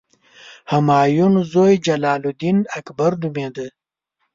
همایون زوی جلال الدین اکبر نومېده.